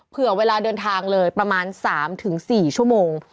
เผื่อเวลาเดินทางเลยประมาณ๓๔ชั่วโมง